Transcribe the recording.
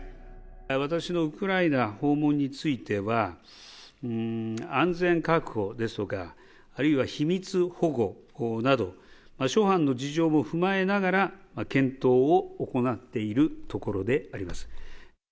私のウクライナ訪問については、安全確保ですとか、あるいは秘密保護など、諸般の事情を踏まえながら検討を行っているところであります。